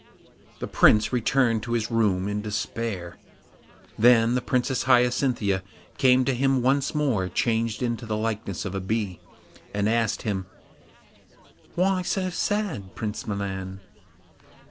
The Prince returned to his room in despair; then the Princess Hyacinthia came to him once more changed into the likeness of a bee, and asked him, 'Why so sad, Prince Milan?